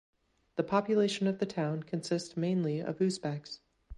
The population of the town consists of mainly Uzbeks.